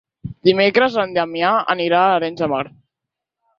Dimecres en Damià anirà a Arenys de Mar.